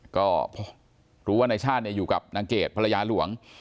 ก็รู้ว่านายชาติอยู่กับนางเกดภรรยาหลวง